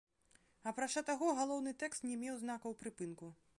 Апрача таго, галоўны тэкст не меў знакаў прыпынку.